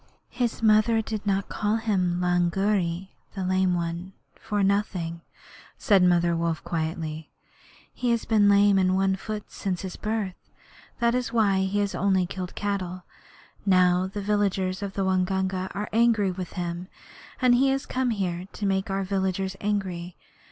'His mother did not call him Lungri [the Lame One] for nothing,' said Mother Wolf, quietly. He has been lame in one foot from his birth. That is why he has only killed cattle. Now the villagers of the Waingunga are angry with him, and he has come here to make our villagers angry.